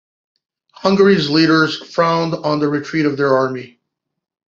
Hungary's leaders frowned on the retreat of their army.